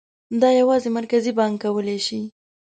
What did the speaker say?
دا یوازې مرکزي بانک کولای شي.